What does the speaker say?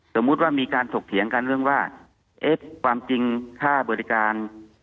สมมุติว่ามีการถกเถียงกันเรื่องว่าเอ๊ะความจริงค่าบริการ